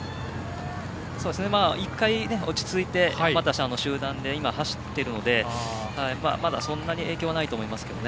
１回、落ち着いてまた集団で走っているのでまだそんなに影響はないと思いますけどね。